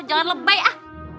jangan lebay ah